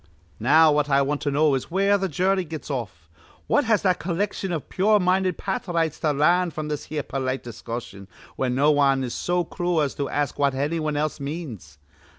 "Now what I want to know is where th' jury gets off. What has that collection iv pure minded pathrites to larn fr'm this here polite discussion, where no wan is so crool as to ask what anny wan else means?